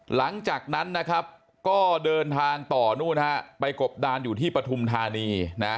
หลังจากนั้นนะครับก็เดินทางต่อนู่นฮะไปกบดานอยู่ที่ปฐุมธานีนะ